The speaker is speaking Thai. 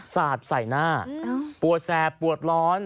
สาดใส่หน้าปวดแสบปวดร้อน